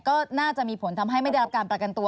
ก็น่าจะมีผลทำให้ไม่ได้รับการประกันตัว